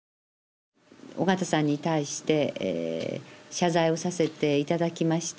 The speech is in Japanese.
緒方さんに対して謝罪をさせて頂きました。